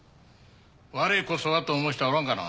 我こそはと思う人はおらんかな？